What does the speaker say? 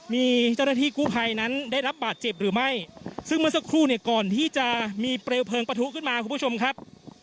มีเจ้าหน้าที่กู้ภัยนั้นได้รับบาดเจ็บหรือไม่ซึ่งเมื่อสักครู่เนี่ยก่อนที่จะมีเปลวเพลิงประทุขึ้นมาคุณผู้ชมครับ